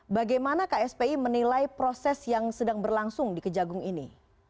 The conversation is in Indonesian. bagaimana kspi menilai proses yang sedang berlangsung di kejagung ini